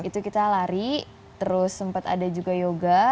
itu kita lari terus sempat ada juga yoga